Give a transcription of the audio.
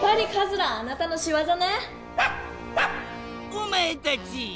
おまえたち！